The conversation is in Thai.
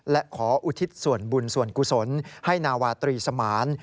และขออุทิศส่วนบุญส่วนกุศลให้นาวาตรีสมาน